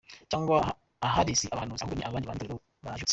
Cyangwa ahari si abahanuzi ahubwo ni abandi bantu b’Itorero bajijutse.